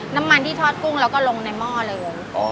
น้ำมันที่ทอดกุ้งแล้วก็ลงในหม้อเลย